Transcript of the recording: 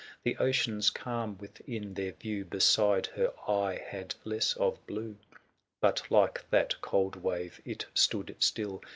The ocean's calm within their view, 505 Beside her eye had less of blue ; But like that cold wave it stood still.